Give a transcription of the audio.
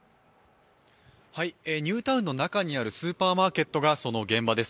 ニュータウンの中にあるスーパーマーケットがその現場です。